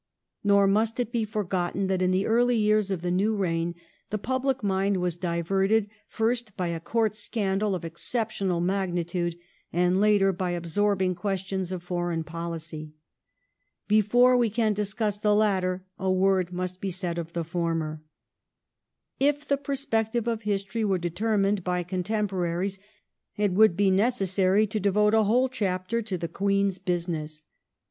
^ Nor must it be forgotten that in the early yeai"s of the new reign the public mind was diverted, first, by a Court scandal of exceptional magnitude, and later by absorbing questions of foreign policy. Before we can discuss the later a word must be said of the former. If the perspective of History were determined by contemporaries Queen it would be necessary to devote a whole chapter to the '* Queen's ^^'^°^*"'^ business